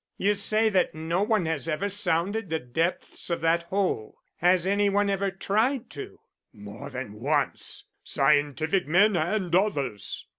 "You say that no one has ever sounded the depths of that hole. Has any one ever tried to?" "More than once. Scientific men and others."